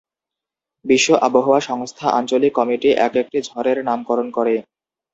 বিশ্ব আবহাওয়া সংস্থা আঞ্চলিক কমিটি একেকটি ঝড়ের নামকরণ করে।